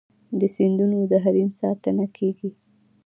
د سیندونو د حریم ساتنه کیږي؟